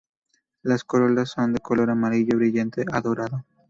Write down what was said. Las corolas son de color amarillo brillante a dorado.